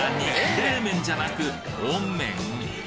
冷麺じゃなく温麺？